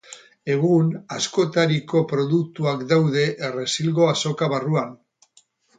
Egun, askotariko produktuak daude Errezilgo Azoka barruan.